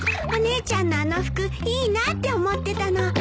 お姉ちゃんのあの服いいなって思ってたの。